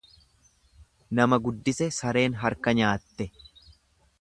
Nama guddise sareen harka nyaatte.